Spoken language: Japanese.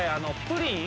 プリン？